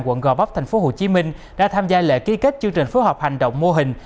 quận gò vấp tp hcm đã tham gia lễ ký kết chương trình phối hợp hành động mô hình